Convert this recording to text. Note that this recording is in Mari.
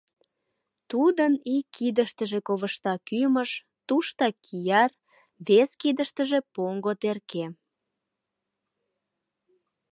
Тудын ик кидыштыже ковышта кӱмыж, туштак кияр, вес кидыштыже поҥго терке.